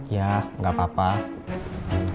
ya gak apa apa